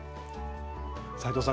斉藤さん